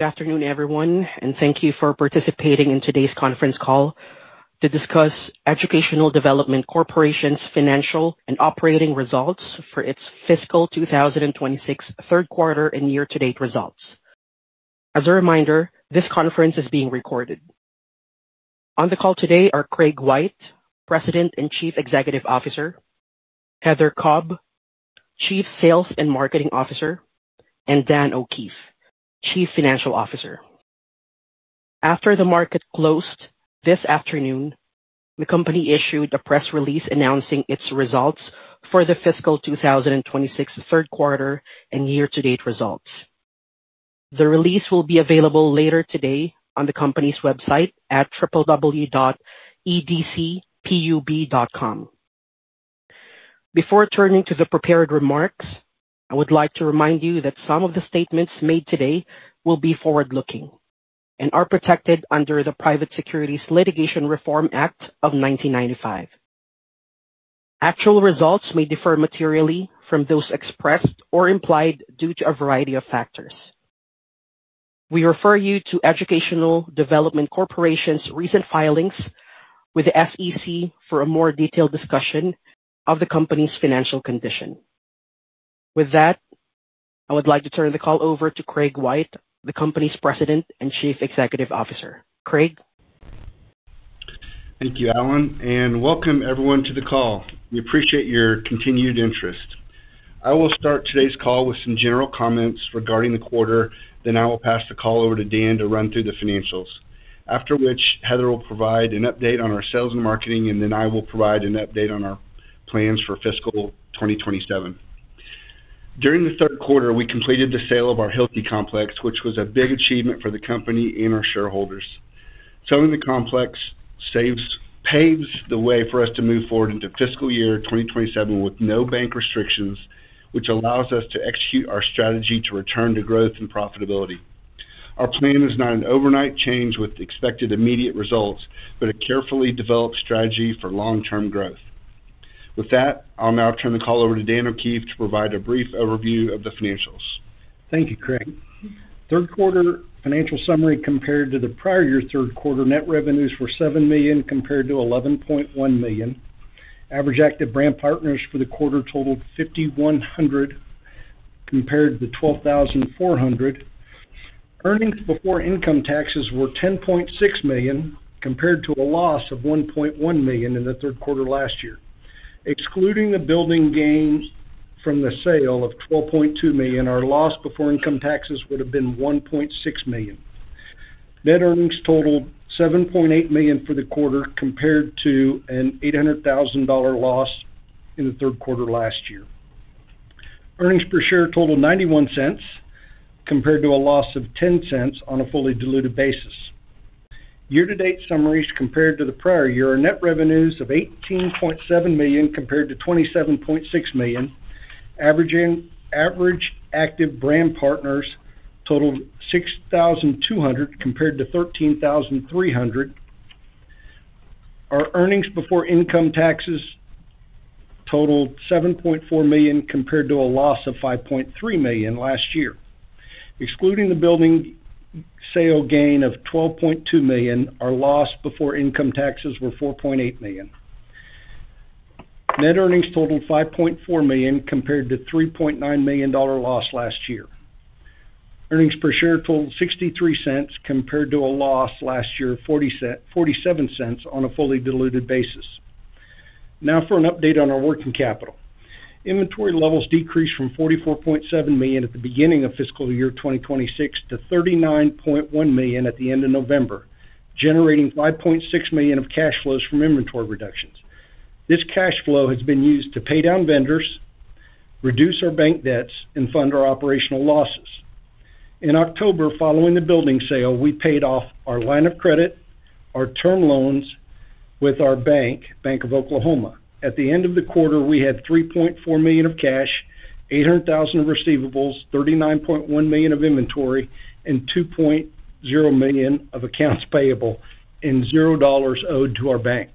Good afternoon, everyone, and thank you for participating in today's conference call to discuss Educational Development Corporation's Financial and Operating Results for its Fiscal 2026 Third Quarter and year-to-date results. As a reminder, this conference is being recorded. On the call today are Craig White, President and Chief Executive Officer, Heather Cobb, Chief Sales and Marketing Officer, and Dan O'Keefe, Chief Financial Officer. After the market closed this afternoon, the company issued a press release announcing its results for the fiscal 2026 third quarter and year-to-date results. The release will be available later today on the company's website at www.edcpub.com. Before turning to the prepared remarks, I would like to remind you that some of the statements made today will be forward-looking and are protected under the Private Securities Litigation Reform Act of 1995. Actual results may differ materially from those expressed or implied due to a variety of factors. We refer you to Educational Development Corporation's recent filings with the SEC for a more detailed discussion of the company's financial condition. With that, I would like to turn the call over to Craig White, the company's President and Chief Executive Officer. Craig. Thank you, Allan, and welcome everyone to the call. We appreciate your continued interest. I will start today's call with some general comments regarding the quarter, then I will pass the call over to Dan to run through the financials, after which Heather will provide an update on our sales and marketing, and then I will provide an update on our plans for fiscal 2027. During the third quarter, we completed the sale of our Hilti Complex, which was a big achievement for the company and our shareholders. Selling the complex paves the way for us to move forward into fiscal year 2027 with no bank restrictions, which allows us to execute our strategy to return to growth and profitability. Our plan is not an overnight change with expected immediate results, but a carefully developed strategy for long-term growth. With that, I'll now turn the call over to Dan O'Keefe to provide a brief overview of the financials. Thank you, Craig. Third quarter financial summary compared to the prior year third quarter net revenues were $7 million compared to $11.1 million. Average active brand partners for the quarter totaled 5,100 compared to 12,400. Earnings before income taxes were $10.6 million compared to a loss of $1.1 million in the third quarter last year. Excluding the building gain from the sale of $12.2 million, our loss before income taxes would have been $1.6 million. Net earnings totaled $7.8 million for the quarter compared to an $800,000 loss in the third quarter last year. Earnings per share totaled $0.91 compared to a loss of $0.10 on a fully diluted basis. Year-to-date summaries compared to the prior year are net revenues of $18.7 million compared to $27.6 million. Average active brand partners totaled 6,200 compared to 13,300. Our earnings before income taxes totaled $7.4 million compared to a loss of $5.3 million last year. Excluding the building sale gain of $12.2 million, our loss before income taxes was $4.8 million. Net earnings totaled $5.4 million compared to a $3.9 million loss last year. Earnings per share totaled $0.63 compared to a loss last year of $0.47 on a fully diluted basis. Now for an update on our working capital. Inventory levels decreased from $44.7 million at the beginning of fiscal year 2026 to $39.1 million at the end of November, generating $5.6 million of cash flows from inventory reductions. This cash flow has been used to pay down vendors, reduce our bank debts, and fund our operational losses. In October, following the building sale, we paid off our line of credit, our term loans with our bank, Bank of Oklahoma. At the end of the quarter, we had $3.4 million of cash, $800,000 of receivables, $39.1 million of inventory, and $2.0 million of accounts payable, and $0 owed to our bank.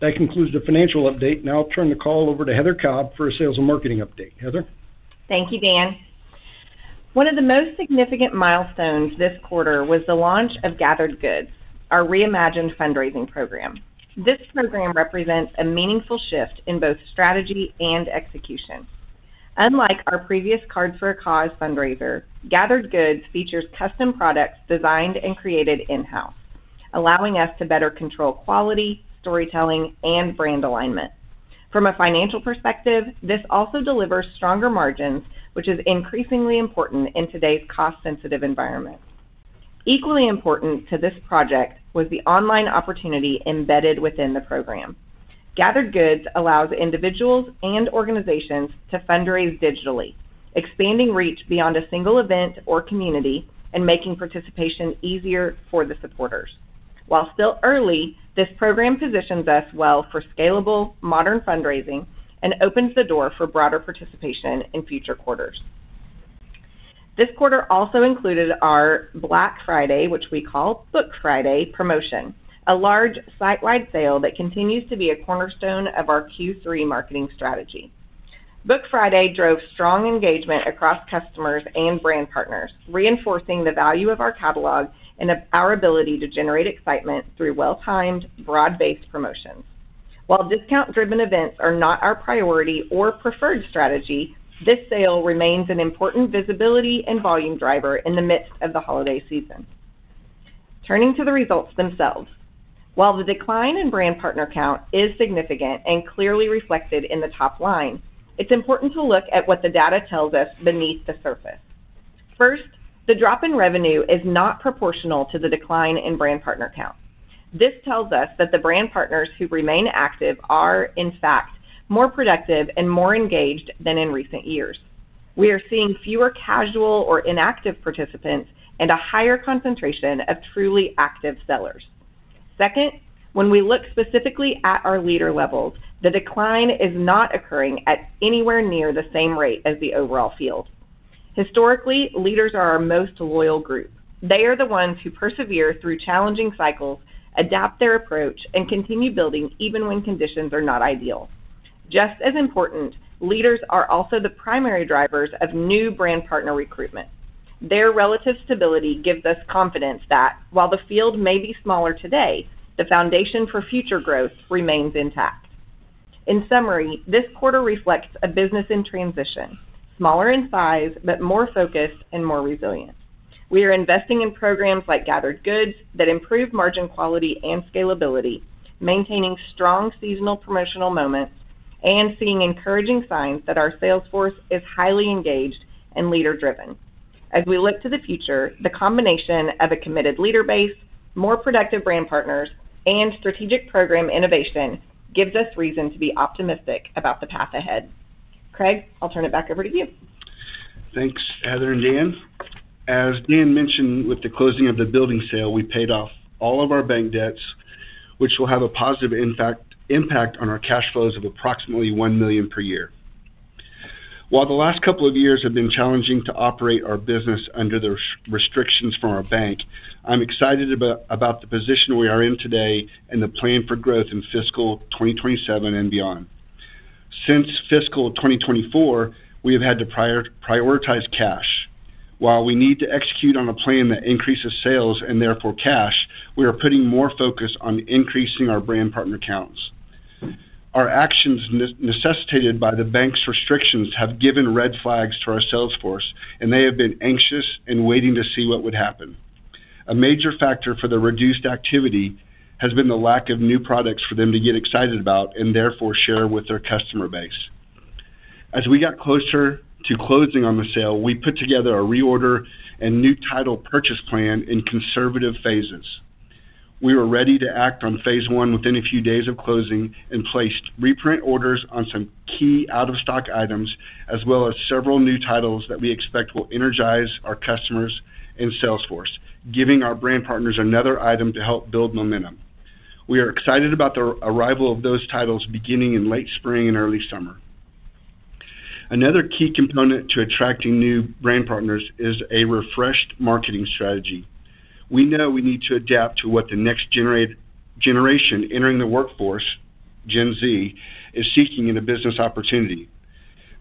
That concludes the financial update. Now I'll turn the call over to Heather Cobb for a sales and marketing update. Heather. Thank you, Dan. One of the most significant milestones this quarter was the launch of Gathered Goods, our reimagined fundraising program. This program represents a meaningful shift in both strategy and execution. Unlike our previous Cards for a Cause fundraiser, Gathered Goods features custom products designed and created in-house, allowing us to better control quality, storytelling, and brand alignment. From a financial perspective, this also delivers stronger margins, which is increasingly important in today's cost-sensitive environment. Equally important to this project was the online opportunity embedded within the program. Gathered Goods allows individuals and organizations to fundraise digitally, expanding reach beyond a single event or community and making participation easier for the supporters. While still early, this program positions us well for scalable, modern fundraising and opens the door for broader participation in future quarters. This quarter also included our Black Friday, which we call Book Friday promotion, a large site-wide sale that continues to be a cornerstone of our Q3 marketing strategy. Book Friday drove strong engagement across customers and brand partners, reinforcing the value of our catalog and our ability to generate excitement through well-timed, broad-based promotions. While discount-driven events are not our priority or preferred strategy, this sale remains an important visibility and volume driver in the midst of the holiday season. Turning to the results themselves, while the decline in brand partner count is significant and clearly reflected in the top line, it's important to look at what the data tells us beneath the surface. First, the drop in revenue is not proportional to the decline in brand partner count. This tells us that the brand partners who remain active are, in fact, more productive and more engaged than in recent years. We are seeing fewer casual or inactive participants and a higher concentration of truly active sellers. Second, when we look specifically at our leader levels, the decline is not occurring at anywhere near the same rate as the overall field. Historically, leaders are our most loyal group. They are the ones who persevere through challenging cycles, adapt their approach, and continue building even when conditions are not ideal. Just as important, leaders are also the primary drivers of new brand partner recruitment. Their relative stability gives us confidence that, while the field may be smaller today, the foundation for future growth remains intact. In summary, this quarter reflects a business in transition, smaller in size, but more focused and more resilient. We are investing in programs like Gathered Goods that improve margin quality and scalability, maintaining strong seasonal promotional moments, and seeing encouraging signs that our sales force is highly engaged and leader-driven. As we look to the future, the combination of a committed leader base, more productive brand partners, and strategic program innovation gives us reason to be optimistic about the path ahead. Craig, I'll turn it back over to you. Thanks, Heather and Dan. As Dan mentioned, with the closing of the building sale, we paid off all of our bank debts, which will have a positive impact on our cash flows of approximately $1 million per year. While the last couple of years have been challenging to operate our business under the restrictions from our bank, I'm excited about the position we are in today and the plan for growth in fiscal 2027 and beyond. Since fiscal 2024, we have had to prioritize cash. While we need to execute on a plan that increases sales and therefore cash, we are putting more focus on increasing our brand partner counts. Our actions necessitated by the bank's restrictions have given red flags to our sales force, and they have been anxious and waiting to see what would happen. A major factor for the reduced activity has been the lack of new products for them to get excited about and therefore share with their customer base. As we got closer to closing on the sale, we put together a reorder and new title purchase plan in conservative phases. We were ready to act on phase one within a few days of closing and placed reprint orders on some key out-of-stock items, as well as several new titles that we expect will energize our customers and salesforce, giving our brand partners another item to help build momentum. We are excited about the arrival of those titles beginning in late spring and early summer. Another key component to attracting new brand partners is a refreshed marketing strategy. We know we need to adapt to what the next generation entering the workforce, Gen Z, is seeking in a business opportunity.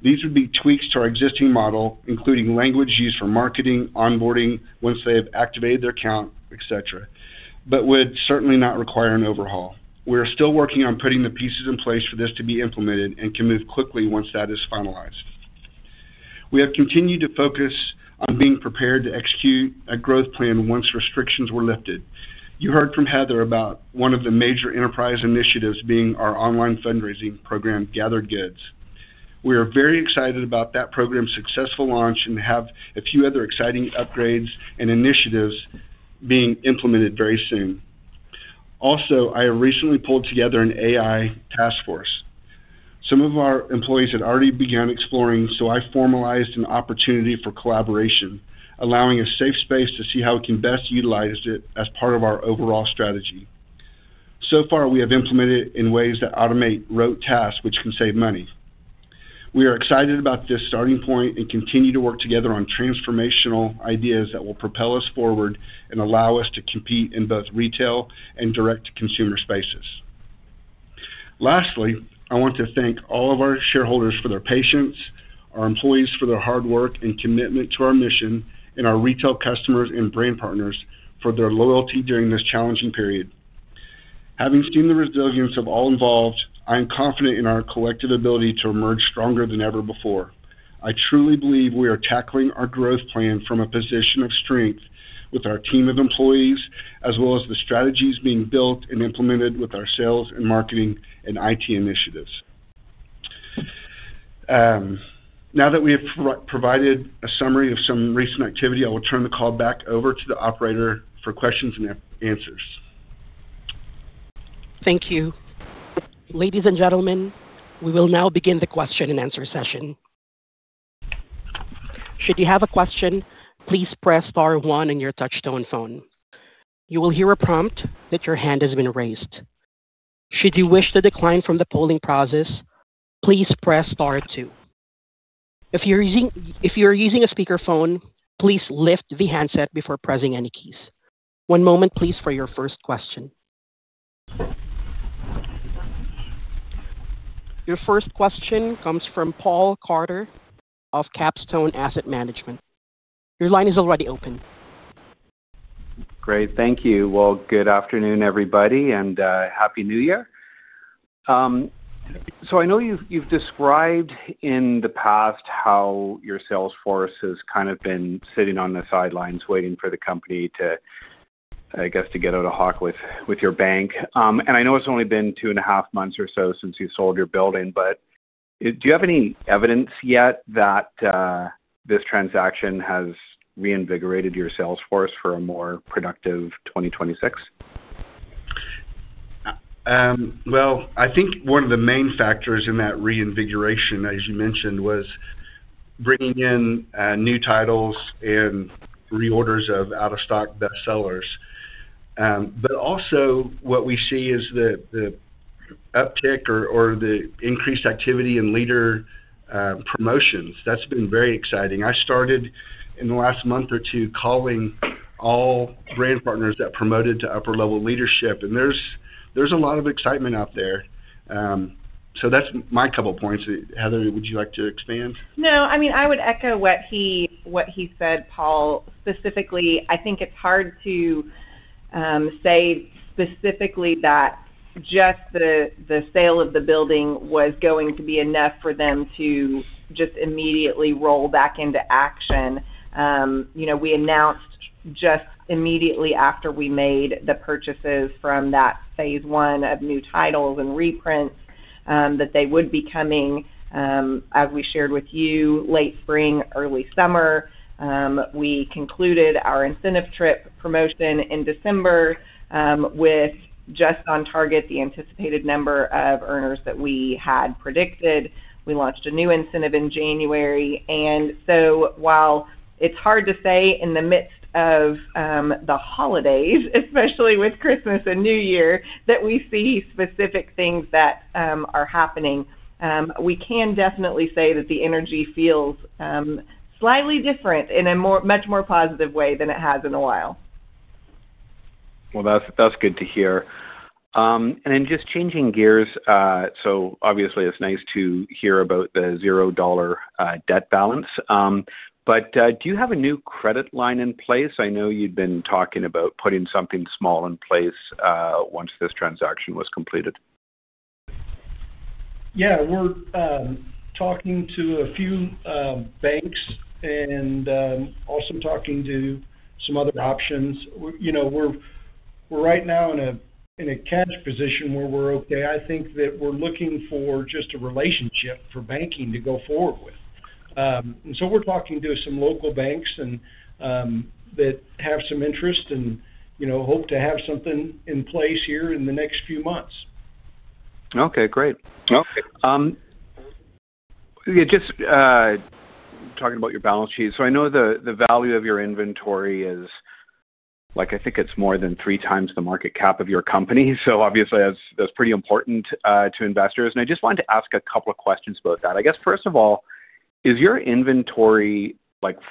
These would be tweaks to our existing model, including language used for marketing, onboarding once they have activated their account, etc., but would certainly not require an overhaul. We are still working on putting the pieces in place for this to be implemented and can move quickly once that is finalized. We have continued to focus on being prepared to execute a growth plan once restrictions were lifted. You heard from Heather about one of the major enterprise initiatives being our online fundraising program, Gathered Goods. We are very excited about that program's successful launch and have a few other exciting upgrades and initiatives being implemented very soon. Also, I have recently pulled together an AI task force. Some of our employees had already begun exploring, so I formalized an opportunity for collaboration, allowing a safe space to see how we can best utilize it as part of our overall strategy. So far, we have implemented it in ways that automate rote tasks, which can save money. We are excited about this starting point and continue to work together on transformational ideas that will propel us forward and allow us to compete in both retail and direct-to-consumer spaces. Lastly, I want to thank all of our shareholders for their patience, our employees for their hard work and commitment to our mission, and our retail customers and brand partners for their loyalty during this challenging period. Having seen the resilience of all involved, I am confident in our collective ability to emerge stronger than ever before. I truly believe we are tackling our growth plan from a position of strength with our team of employees, as well as the strategies being built and implemented with our sales and marketing and IT initiatives. Now that we have provided a summary of some recent activity, I will turn the call back over to the operator for questions and answers. Thank you. Ladies and gentlemen, we will now begin the question and answer session. Should you have a question, please press star one on your touch-tone phone. You will hear a prompt that your hand has been raised. Should you wish to decline from the polling process, please press star two. If you're using a speakerphone, please lift the handset before pressing any keys. One moment, please, for your first question. Your first question comes from Paul Carter of Capstone Asset Management. Your line is already open. Great. Thank you. Good afternoon, everybody, and happy New Year. I know you've described in the past how your salesforce has kind of been sitting on the sidelines waiting for the company, I guess, to get out of hock with your bank. And I know it's only been two and a half months or so since you sold your building, but do you have any evidence yet that this transaction has reinvigorated your salesforce for a more productive 2026? I think one of the main factors in that reinvigoration, as you mentioned, was bringing in new titles and reorders of out-of-stock bestsellers. But also, what we see is the uptick or the increased activity in leader promotions. That's been very exciting. I started in the last month or two calling all brand partners that promoted to upper-level leadership, and there's a lot of excitement out there. So that's my couple of points. Heather, would you like to expand? No, I mean, I would echo what he said, Paul. Specifically, I think it's hard to say specifically that just the sale of the building was going to be enough for them to just immediately roll back into action. We announced just immediately after we made the purchases from that phase one of new titles and reprints that they would be coming, as we shared with you, late spring, early summer. We concluded our incentive trip promotion in December with just on target the anticipated number of earners that we had predicted. We launched a new incentive in January, and so while it's hard to say in the midst of the holidays, especially with Christmas and New Year, that we see specific things that are happening, we can definitely say that the energy feels slightly different in a much more positive way than it has in a while. Well, that's good to hear. And then just changing gears, so obviously, it's nice to hear about the $0 debt balance. But do you have a new credit line in place? I know you'd been talking about putting something small in place once this transaction was completed. Yeah. We're talking to a few banks and also talking to some other options. We're right now in a cash position where we're okay. I think that we're looking for just a relationship for banking to go forward with. And so we're talking to some local banks that have some interest and hope to have something in place here in the next few months. Okay. Great. Just talking about your balance sheet, so I know the value of your inventory is, I think it's more than three times the market cap of your company. So obviously, that's pretty important to investors, and I just wanted to ask a couple of questions about that. I guess, first of all, is your inventory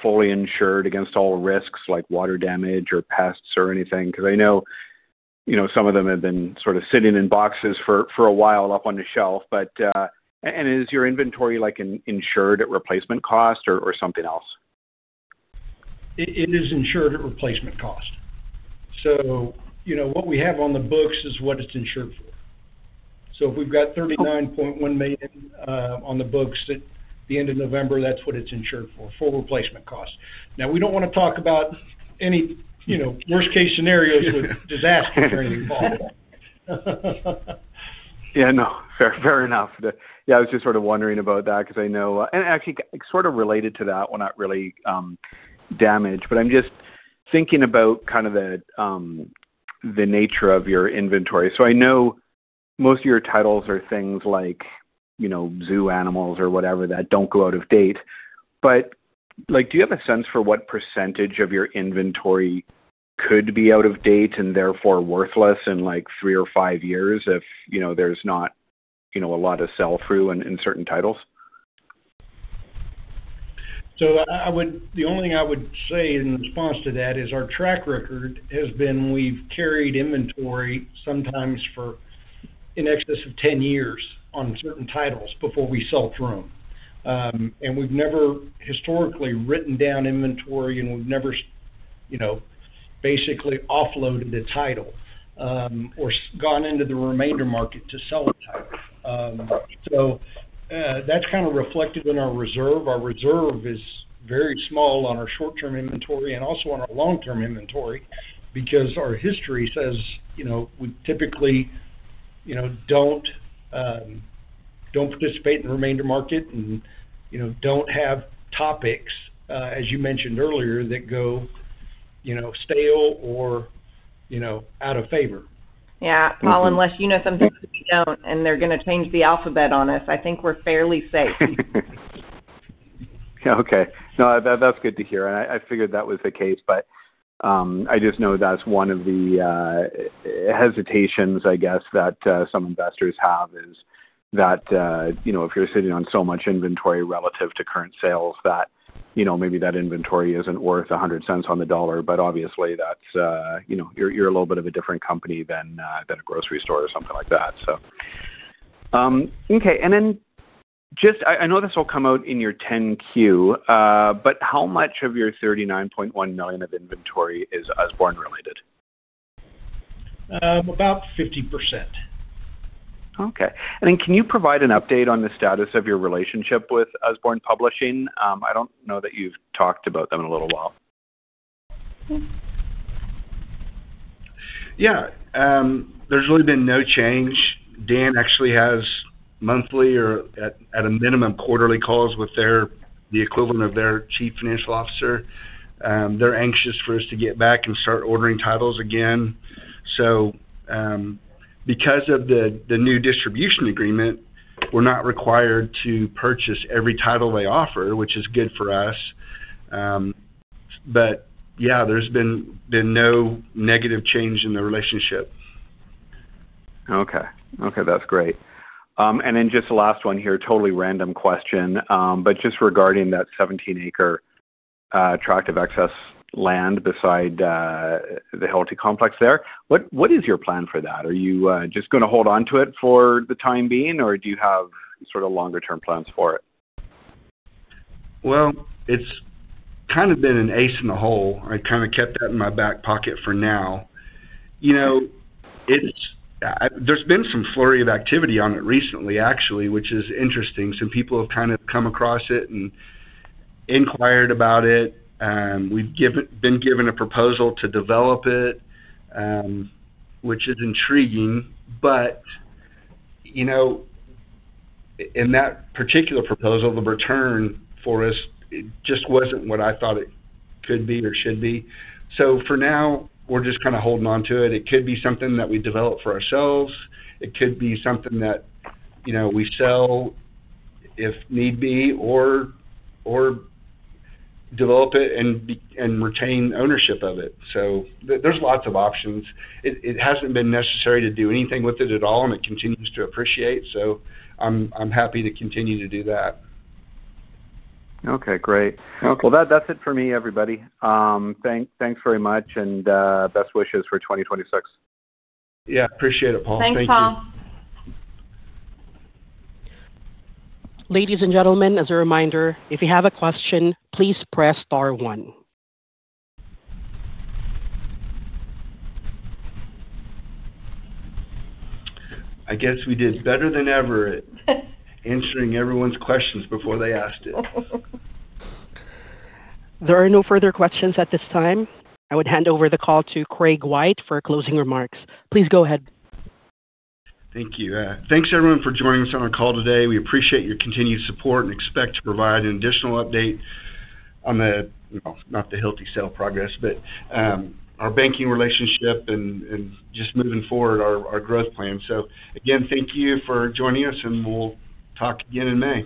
fully insured against all risks like water damage or pests or anything? Because I know some of them have been sort of sitting in boxes for a while up on the shelf, and is your inventory insured at replacement cost or something else? It is insured at replacement cost. So what we have on the books is what it's insured for. So if we've got $39.1 million on the books at the end of November, that's what it's insured for, full replacement cost. Now, we don't want to talk about any worst-case scenarios with disaster training, Paul. Yeah. No, fair enough. Yeah, I was just sort of wondering about that because I know, and actually, sort of related to that, we're not really damaged. But I'm just thinking about kind of the nature of your inventory. So I know most of your titles are things like zoo animals or whatever that don't go out of date. But do you have a sense for what percentage of your inventory could be out of date and therefore worthless in three or five years if there's not a lot of sell-through in certain titles? So the only thing I would say in response to that is our track record has been we've carried inventory sometimes for an excess of 10 years on certain titles before we sell through them. And we've never historically written down inventory, and we've never basically offloaded a title or gone into the remainder market to sell a title. So that's kind of reflected in our reserve. Our reserve is very small on our short-term inventory and also on our long-term inventory because our history says we typically don't participate in the remainder market and don't have topics, as you mentioned earlier, that go stale or out of favor. Yeah. Paul, unless you know something that we don't and they're going to change the alphabet on us, I think we're fairly safe. Yeah. Okay. No, that's good to hear. And I figured that was the case. But I just know that's one of the hesitations, I guess, that some investors have is that if you're sitting on so much inventory relative to current sales, that maybe that inventory isn't worth 100 cents on the dollar. But obviously, you're a little bit of a different company than a grocery store or something like that, so. Okay. And then just I know this will come out in your 10-Q, but how much of your $39.1 million of inventory is Usborne related? About 50%. Okay. And then can you provide an update on the status of your relationship with Usborne Publishing? I don't know that you've talked about them in a little while. Yeah. There's really been no change. Dan actually has monthly or, at a minimum, quarterly calls with the equivalent of their chief financial officer. They're anxious for us to get back and start ordering titles again. So because of the new distribution agreement, we're not required to purchase every title they offer, which is good for us. But yeah, there's been no negative change in the relationship. Okay. Okay. That's great. And then just the last one here, totally random question, but just regarding that 17-acre tract of excess land beside the Hilti Complex there, what is your plan for that? Are you just going to hold on to it for the time being, or do you have sort of longer-term plans for it? It's kind of been an ace in the hole. I kind of kept that in my back pocket for now. There's been some flurry of activity on it recently, actually, which is interesting. Some people have kind of come across it and inquired about it. We've been given a proposal to develop it, which is intriguing. But in that particular proposal, the return for us just wasn't what I thought it could be or should be. So for now, we're just kind of holding on to it. It could be something that we develop for ourselves. It could be something that we sell if need be or develop it and retain ownership of it. So there's lots of options. It hasn't been necessary to do anything with it at all, and it continues to appreciate. So I'm happy to continue to do that. Okay. Great. Well, that's it for me, everybody. Thanks very much and best wishes for 2026. Yeah. Appreciate it, Paul. Thank you. Thanks, Paul. Ladies and gentlemen, as a reminder, if you have a question, please press star one. I guess we did better than ever at answering everyone's questions before they asked it. There are no further questions at this time. I would hand over the call to Craig White for closing remarks. Please go ahead. Thank you. Thanks, everyone, for joining us on our call today. We appreciate your continued support and expect to provide an additional update on, not the Hilti sale progress, but our banking relationship and just moving forward our growth plan. So again, thank you for joining us, and we'll talk again in May.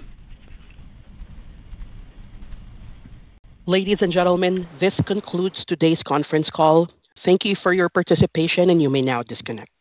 Ladies and gentlemen, this concludes today's conference call. Thank you for your participation, and you may now disconnect.